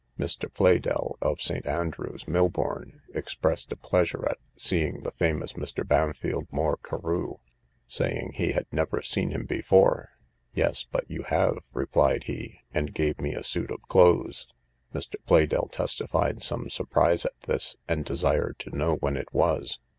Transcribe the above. Mr. Pleydell, of St. Andrew's, Milbourn, expressed a pleasure at seeing the famous Mr. Bampfylde Moore Carew, saying he had never seen him before. Yes, but you have, replied he, and gave me a suit of clothes. Mr. Pleydell testified some surprise at this, and desired to know when it was.